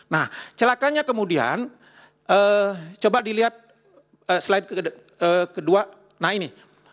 nah celakanya kemudian coba dilihat slide kedua nah ini